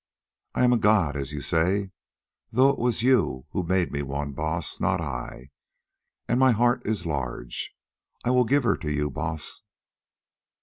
I am a god, as you say, though it was you who made me one, Baas, not I, and my heart is large; I will give her to you, Baas."